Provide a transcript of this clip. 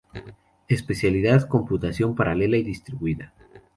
Especialidad: Computación Paralela y Distribuida.